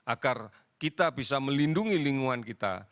agar kita bisa melindungi lingkungan kita